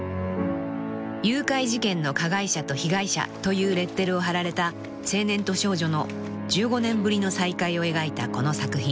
［誘拐事件の加害者と被害者というレッテルを貼られた青年と少女の１５年ぶりの再会を描いたこの作品］